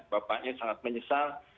bapaknya sangat menyesal